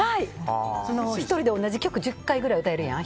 １人で同じ曲１０回くらい歌えるやん？